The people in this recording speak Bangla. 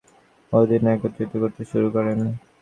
তিনি লিবিয়াকে একক শাসনের অধীনে একত্রীত করতে শুরু করেন।